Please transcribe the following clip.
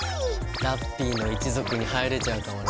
ラッピィの一族に入れちゃうかもね。